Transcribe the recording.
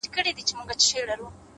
لونگيه دا خبره دې سهې ده ـ